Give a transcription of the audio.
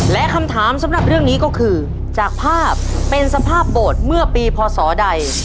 และคำถามสำหรับเรื่องนี้ก็คือจากภาพเป็นสภาพโบสถ์เมื่อปีพศใด